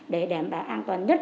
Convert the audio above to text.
để đảm bảo an toàn nhất